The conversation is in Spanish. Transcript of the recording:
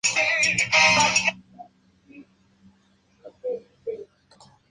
Pero mientras está haciendo esto, se caerá deliberadamente.